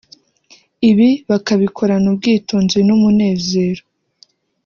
ibi bakabikorana ubwitonzi n’umunezero